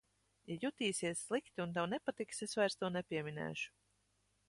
Ja jutīsies slikti un tev nepatiks, es vairs to nepieminēšu.